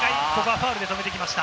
ファウルで止めてきました。